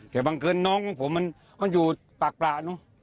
แต่บางครั้งน้องของผมมันอยู่ปากปลา